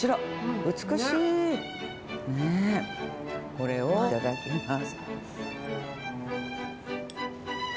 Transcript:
これをいただきます。